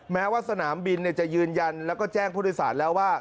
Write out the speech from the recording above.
แม้ว่าสนามบินจะยืนยันแล้วก็แจ้งผู้โดยสารแล้วว่า